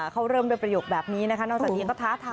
เขาเริ่มด้วยประโยคแบบนี้นะคะนอกจากนี้ก็ท้าทาย